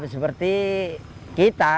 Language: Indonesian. dianggap seperti kita